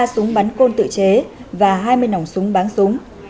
hai mươi ba súng bắn côn tự chế và hai mươi nòng súng bán súng